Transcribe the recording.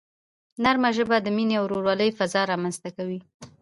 نرمه ژبه د مینې او ورورولۍ فضا رامنځته کوي.